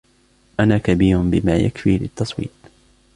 أنا كبير بما يكفي للتصويت.